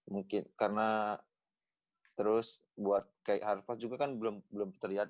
mungkin karena terus buat kayak harvard juga kan belum terlihat